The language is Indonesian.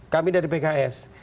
kami dari pks